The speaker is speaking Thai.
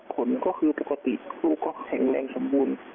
คุณหมอก็คือปกติลูกก็แข็งแรงสำบวน